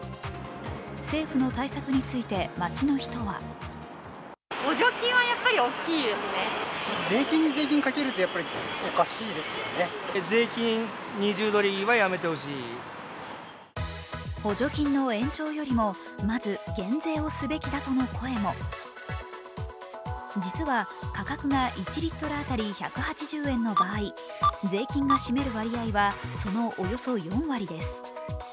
政府の対策について、街の人は補助金の延長よりもまず減税をすべきだとの声も実は、価格が１リットル当たり１８０円の場合、税金が占める割合はそのおよそ４割です。